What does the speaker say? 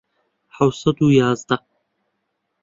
حەوت سەد و یازدە